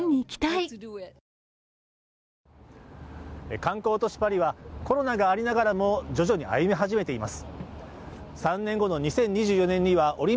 観光都市パリは、コロナがありながらも徐々に歩み始めています。